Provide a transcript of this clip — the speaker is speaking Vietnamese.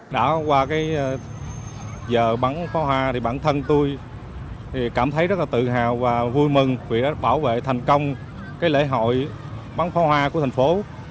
đã qua giờ bắn pháo hoa thì bản thân tôi cảm thấy rất là tự hào và vui mừng vì đã bảo vệ thành công lễ hội bắn pháo hoa của thành phố